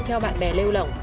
theo bạn bè lêu lỏng